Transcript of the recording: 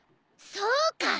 そうか。